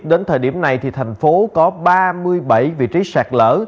đến thời điểm này thì thành phố có ba mươi bảy vị trí sạt lở